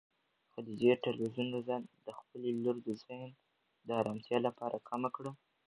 خدیجې د تلویزون رڼا د خپلې لور د ذهن د ارامتیا لپاره کمه کړه.